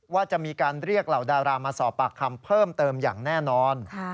ว่าจะมีการเรียกเหล่าดารามาสอบปากคำเพิ่มเติมอย่างแน่นอน